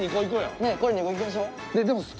これ２個いきましょう。